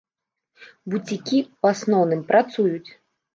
Буцікі, у асноўным, працуюць.